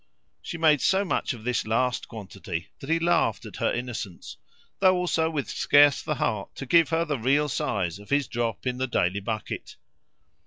She made so much of this last quantity that he laughed at her innocence, though also with scarce the heart to give her the real size of his drop in the daily bucket.